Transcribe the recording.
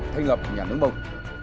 thành lập nhà nước mông